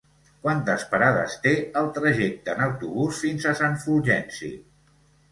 Quantes parades té el trajecte en autobús fins a Sant Fulgenci?